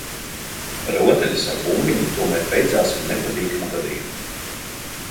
Rotaļas ar bumbiņu tomēr beidzās ar nepatīkamu gadījumu.